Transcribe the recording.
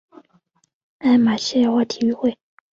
艾马希亚体育会。